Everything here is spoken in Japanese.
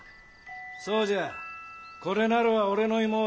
そうじゃこれなるは俺の妹。